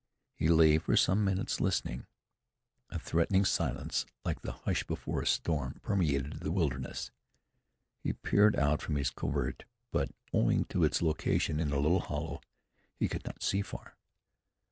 He lay for some minutes listening. A threatening silence, like the hush before a storm, permeated the wilderness. He peered out from his covert; but, owing to its location in a little hollow, he could not see far.